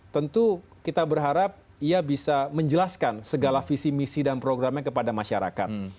tentu kita berharap ia bisa menjelaskan segala visi misi dan programnya kepada masyarakat